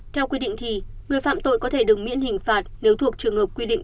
theo quy định thì người phạm tội có thể được miễn hình phạt nếu thuộc trường hợp quy định